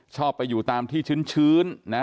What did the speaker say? ชอบไปอยู่ตามที่ชื้นนะ